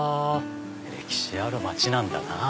歴史ある街なんだなぁ。